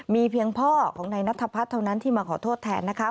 มีเพียงพ่อของนายนัทพัฒน์เท่านั้นที่มาขอโทษแทนนะคะ